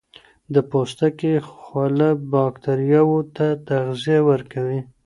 د پوستکي خوله باکتریاوو ته تغذیه ورکوي.